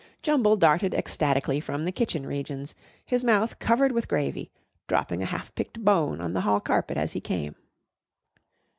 Jumble darted ecstatically from the kitchen regions, his mouth covered with gravy, dropping a half picked bone on the hall carpet as he came.